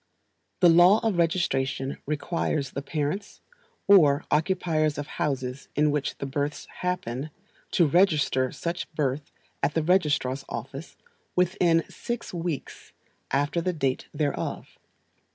The law of registration requires the parents, or occupiers of houses in which the births happen, to register such birth at the registrar's office within six weeks after the date thereof.